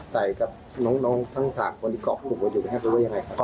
ไตกับน้องทั้งส่างคนที่กรอกกลุ่มอยู่แทบว่ายังไงครับ